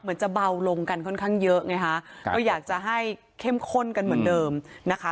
จะเบาลงกันค่อนข้างเยอะไงฮะก็อยากจะให้เข้มข้นกันเหมือนเดิมนะคะ